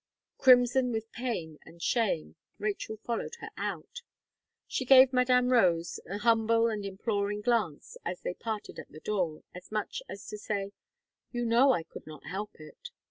Crimson with pain and shame, Rachel followed her out. She gave Madame Rose an humble and imploring glance, as they parted at the door, as much, as to say, "You know I could not help it."